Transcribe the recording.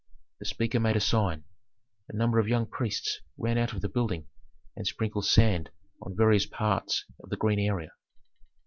The speaker made a sign. A number of young priests ran out of the building and sprinkled sand on various parts of the green area.